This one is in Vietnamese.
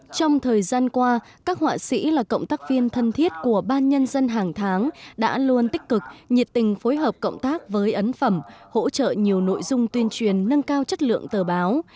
trong thời gian qua các họa sĩ là cộng tác viên thân thiết của ban nhân dân hàng tháng đã luôn tích cực nhiệt tình phối hợp cộng tác với ấn phẩm hỗ trợ nhiều nội dung tuyên truyền nâng cao chất lượng tờ báo